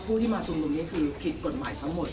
ผู้ที่มาชุมนุมนี่คือผิดกฎหมายทั้งหมด